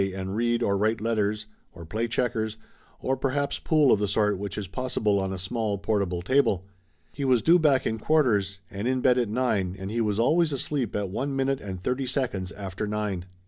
and read or write letters or play checkers or perhaps pool of the sort which is possible on a small portable table. He was due back in quarters and in bed at nine and he was always asleep at one minute and thirty seconds after nine.